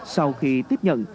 sau khi tiếp nhận